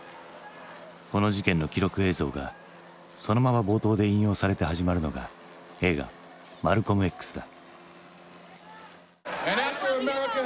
この事件の記録映像がそのまま冒頭で引用されて始まるのが映画「マルコムＸ」だ。